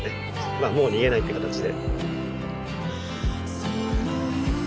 まあもう逃げないっていう形で。